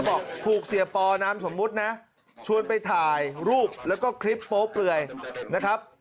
บอกถูกเสียปอนามสมมุตินะชวนไปถ่ายรูปแล้วก็คลิปโป๊เปลือยนะครับ